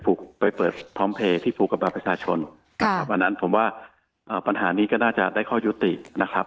ไปเปิดพร้อมเพลย์ที่ผูกกับบัตรประชาชนนะครับอันนั้นผมว่าปัญหานี้ก็น่าจะได้ข้อยุตินะครับ